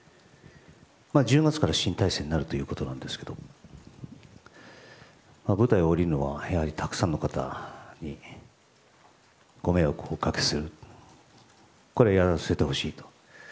１０月から新体制になるということなんですが舞台を降りるのはたくさんの方にご迷惑をおかけするのでこれはやらせてほしいと。